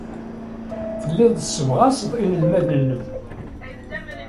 Telliḍ tessebɣaseḍ inelmaden-nnem.